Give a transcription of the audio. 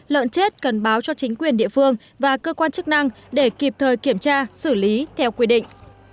lợn chết cần báo cho chính quyền địa phương và cơ quan chức năng để kịp thời kiểm tra xử lý theo quy định